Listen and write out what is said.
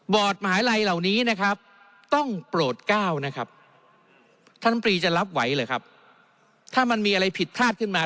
มหาลัยเหล่านี้นะครับต้องโปรดก้าวนะครับท่านปรีจะรับไหวเหรอครับถ้ามันมีอะไรผิดพลาดขึ้นมา